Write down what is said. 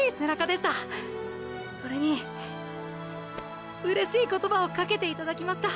それにうれしい言葉をかけて頂きました。